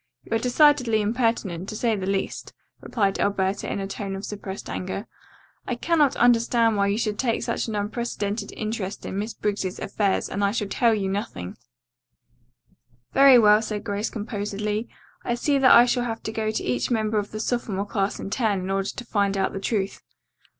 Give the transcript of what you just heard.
You are decidedly impertinent, to say the least," replied Alberta in a tone of suppressed anger. "I cannot understand why you should take such an unprecedented interest in Miss Briggs's affairs and I shall tell you nothing." [Illustration: "I Am Sorry That We Have Failed to Come to an Understanding."] "Very well," said Grace composedly. "I see that I shall have to go to each member of the sophomore class in turn in order to find out the truth.